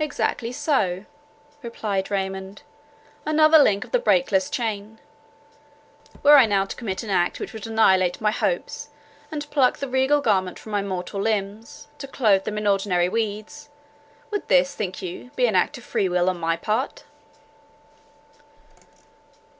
"Exactly so," replied Raymond, "another link of the breakless chain. Were I now to commit an act which would annihilate my hopes, and pluck the regal garment from my mortal limbs, to clothe them in ordinary weeds, would this, think you, be an act of free will on my part?"